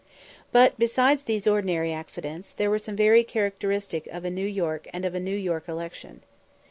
But, besides these ordinary accidents, there were some very characteristic of New York and of a New York election.